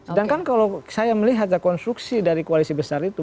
sedangkan kalau saya melihat konstruksi dari koalisi besar itu